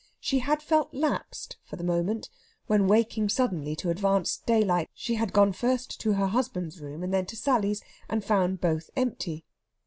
She had felt lapsed, for the moment, when, waking suddenly to advanced daylight, she had gone first to her husband's room and then to Sally's, and found both empty.